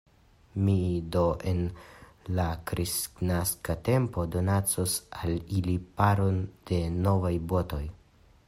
Mi do en la kristnaska tempo donacos al ili paron da novaj botoj.